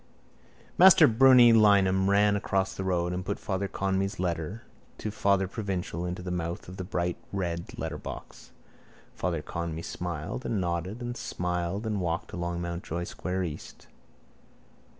Master Brunny Lynam ran across the road and put Father Conmee's letter to father provincial into the mouth of the bright red letterbox. Father Conmee smiled and nodded and smiled and walked along Mountjoy square east.